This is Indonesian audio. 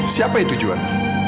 siapa itu juan